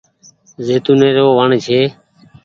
زيتونٚي رو وڻ ڇي۔